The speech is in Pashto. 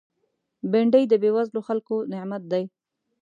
بېنډۍ د بېوزلو خلکو نعمت دی